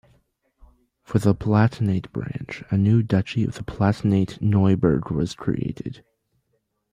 For the Palatinate branch a new duchy of Palatinate-Neuburg was created.